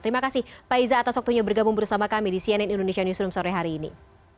terima kasih pak iza atas waktunya bergabung bersama kami di cnn indonesia newsroom sore hari ini